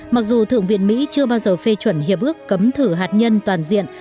mặc dù thượng viện mỹ chưa bao giờ phê chuẩn hiệp ước cấm thử hạt nhân toàn diện